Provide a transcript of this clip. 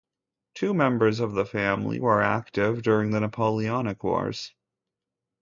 Two members of the family were active during the Napoleonic wars.